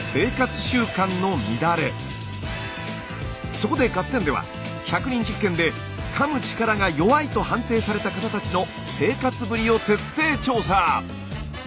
そこで「ガッテン！」では１００人実験でかむ力が弱いと判定された方たちの生活ぶりを徹底調査！